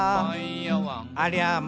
「ありゃま！